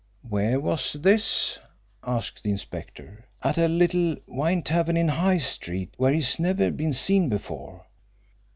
"Where was this?" asked the inspector. "At a little wine tavern in High Street, where he's never been seen before.